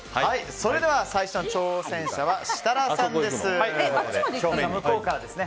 それでは最初の挑戦者は設楽さんです。